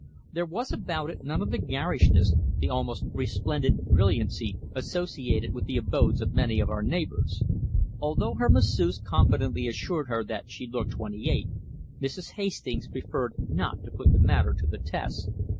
There was about it none of the garishness, the almost resplendent brilliancy associated with the abodes of many of our neighbours. Although her masseuse confidently assured her that she looked twenty eight, Mrs. Hastings preferred not to put the matter to the test.